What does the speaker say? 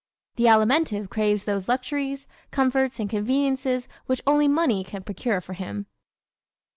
The Alimentive craves those luxuries, comforts and conveniences which only money can procure for him.